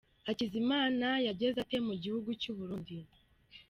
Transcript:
Hakizimana yageze ate mu gihugu cy’u Burundi?.